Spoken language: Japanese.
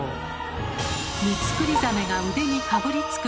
「ミツクリザメが腕にかぶりつく」